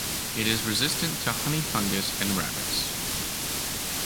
It is resistant to honey fungus and rabbits.